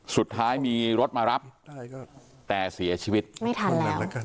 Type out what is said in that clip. สุดท้ายมีรถมารับแต่เสียชีวิตไม่ทันแล้วกัน